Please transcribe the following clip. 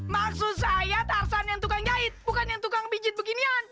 maksud saya tarsan yang tukang jahit bukan yang tukang bijit beginian